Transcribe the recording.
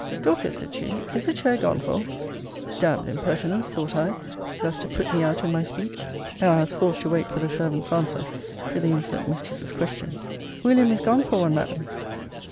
Dorcas, said she, is a chair gone for? Damn'd impertinence, thought I, thus to put me out in my speech! And I was forced to wait for the servant's answer to the insolent mistress's question. William is gone for one, Madam.